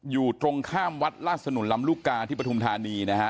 อยู่ตรงข้ามวัดลาสนุนลำลูกกาที่ปฐุมธานีนะฮะ